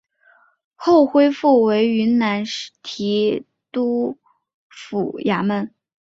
后恢复为云南提督府衙门。